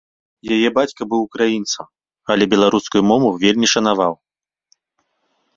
Яе бацька быў украінцам, але беларускую мову вельмі шанаваў.